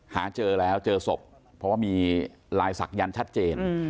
หาเจอแล้วเจอศพเพราะว่ามีลายศักยันต์ชัดเจน